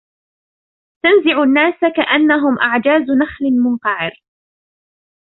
تَنزِعُ النَّاسَ كَأَنَّهُمْ أَعْجَازُ نَخْلٍ مُّنقَعِرٍ